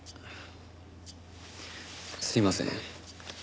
すいません。